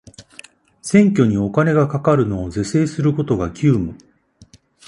選挙にお金がかかるのを是正することが急務